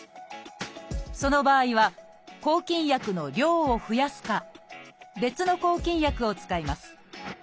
その場合は抗菌薬の量を増やすか別の抗菌薬を使います。